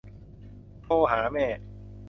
โทรหาแม่